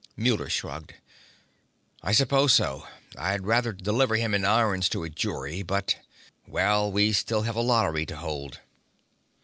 Muller shrugged. "I suppose so. I'd rather deliver him in irons to a jury, but.... Well, we still have a lottery to hold!"